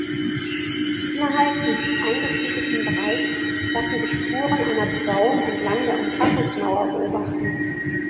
Innerhalb dieses eingefriedeten Bereichs lassen sich Spuren einer Bebauung entlang der Umfassungsmauer beobachten.